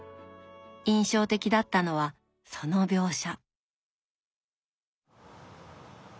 印象的だったのはその描写。